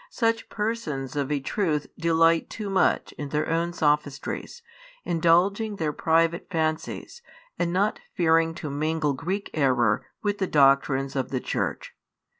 Such persons of a truth delight too much in their own sophistries, indulging their private fancies, and not fearing to mingle Greek error with the doctrines of the Church.